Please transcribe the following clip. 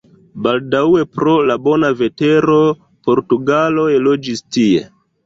Baldaŭe pro la bona vetero portugaloj loĝis tie.